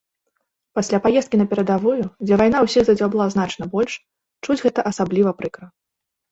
Пасля паездкі на перадавую, дзе вайна ўсіх задзяўбла значна больш, чуць гэта асабліва прыкра.